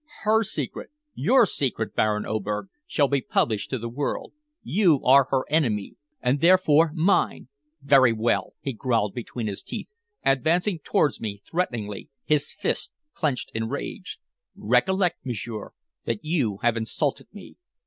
Her secret your secret, Baron Oberg shall be published to the world. You are her enemy and therefore mine!" "Very well," he growled between his teeth, advancing towards me threateningly, his fists clenched in his rage. "Recollect, m'sieur, that you have insulted me.